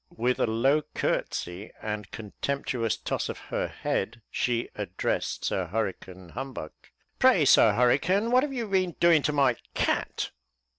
With a low courtesy and contemptuous toss of her head, she addressed Sir Hurricane Humbug. "Pray, Sir Hurricane, what have you been doing to my cat?"